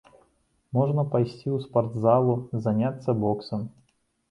Можна пайсці ў спартзалу, заняцца боксам.